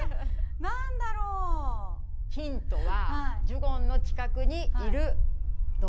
ヒントはジュゴンの近くにいる動物です。